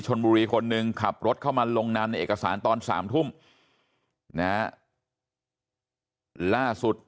ชนบุรีคนนึงขับรถเข้ามาลงนำเอกสารตอน๓ทุ่มนะล่าสุด